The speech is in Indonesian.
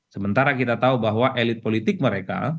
sementara kita tahu bahwa elit politik mereka